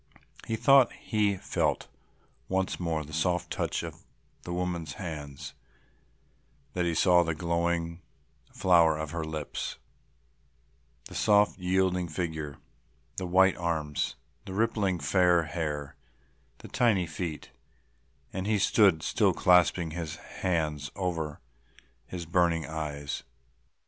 He thought he felt once more the soft touch of the woman's hands, that he saw the glowing flower of her lips, the soft yielding figure, the white arms, the rippling fair hair, the tiny feet, and he stood still clasping his hands over his burning eyes.